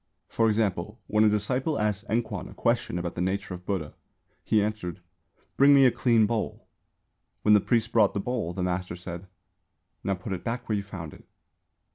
For example, when a disciple asked Enkwan a question about the nature of Buddha, he answered, "Bring me a clean bowl." When the priest brought the bowl, the master said, "Now put it back where you found it."